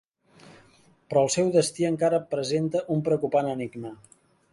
Però el seu destí encara presenta un preocupant enigma: